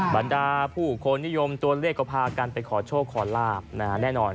บรรดาผู้คนนิยมตัวเลขก็พากันไปขอโชคขอลาบแน่นอน